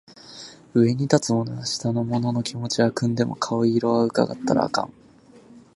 上に立つ者は下の者の気持ちは汲んでも顔色は窺ったらあかん